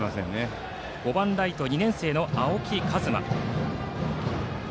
バッター５番ライト、２年生の青木一真。